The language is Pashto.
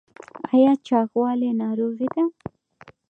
ایا چاغوالی ناروغي ده؟